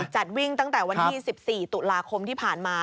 จัดวิ่งตั้งแต่วันที่๑๔ตุลาคมที่ผ่านมา